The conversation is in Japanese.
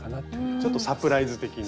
ちょっとサプライズ的な。